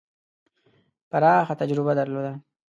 پراخه تجربه درلوده.